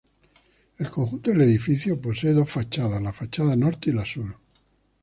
El conjunto del edificio posee dos fachadas: la fachada norte y la sur.